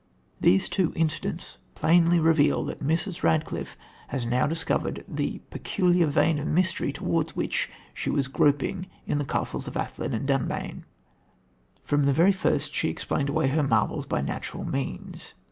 These two incidents plainly reveal that Mrs. Radcliffe has now discovered the peculiar vein of mystery towards which she was groping in The Castles of Athlin and Dunbayne. From the very first she explained away her marvels by natural means.